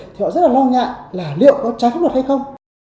thì họ rất là lo ngại là liệu có trái pháp luật hay không